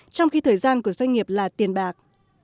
trong khi thời gian của doanh nghiệp là tiền bạc